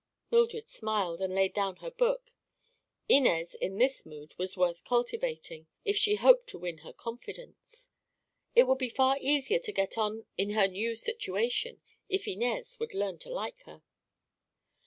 Mildred smiled and laid down her book. Inez in this mood was worth cultivating, if she hoped to win her confidence. It would be far easier to get on in her new situation if Inez would learn to like her.